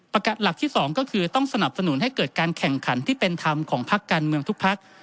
หลักที่สองก็คือต้องสนับสนุนให้เกิดการแข่งขันที่เป็นธรรมของพักการเมืองทุกพัก